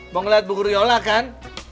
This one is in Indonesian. mau ngeliat bu guryola kan